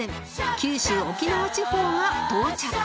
九州沖縄地方が到着